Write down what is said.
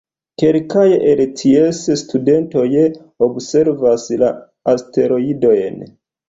Kelkaj el ties studentoj observas la asteroidojn.